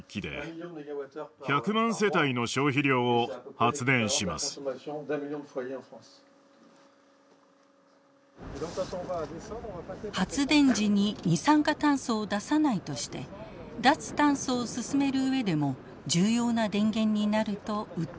発電時に二酸化炭素を出さないとして脱炭素を進める上でも重要な電源になると訴えています。